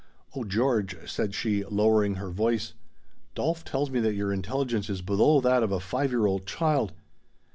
"Oh, George," said she, lowering her voice. "Dolf tells me that your intelligence is below that of a five year old child!